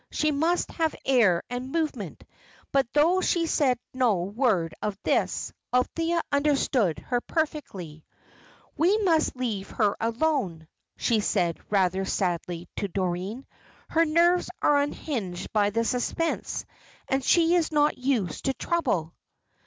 She must have air and movement. But though she said no word of this, Althea understood her perfectly. "We must leave her alone," she said, rather sadly, to Doreen. "Her nerves are unhinged by the suspense, and she is not used to trouble.